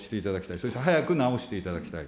そして早く直していただきたい。